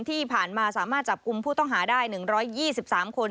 ที่ผ่านมาสามารถจับกลุ่มผู้ต้องหาได้๑๒๓คน